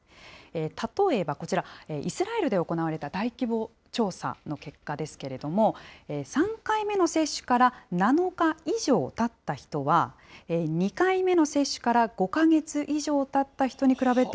例えばこちら、イスラエルで行われた大規模調査の結果ですけれども、３回目の接種から７日以上たった人は、２回目の接種から５か月以上たった人に比べて。